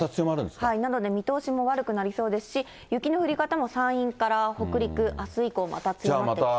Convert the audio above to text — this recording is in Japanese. はい、なので、見通しも悪くなりそうですし、雪の降り方も、山陰から北陸、あす以降、また強まってきそうです。